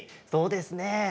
そうですね。